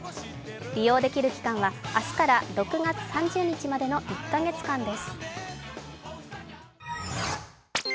利用できる期間は明日から６月３０日までの１カ月間です。